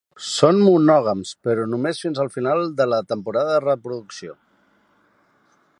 Són monògams, però només fins al final de la temporada de reproducció.